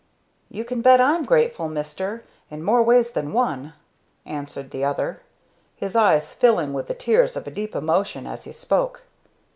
"You can bet I'm grateful, Mister, in more ways than one," answered the other, his eyes filling with the tears of a deep emotion as he spoke.